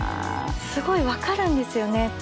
すごい分かるんですよね。